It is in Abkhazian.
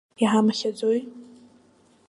Иҳамхьаӡои?